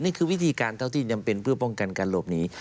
นี่คือวิธีการก็คิดมีเพื่อเพิ่มป้องกันการหลบหนี